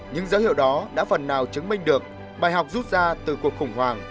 những dấu hiệu đó đã phần nào chứng minh được bài học rút ra từ cuộc khủng hoảng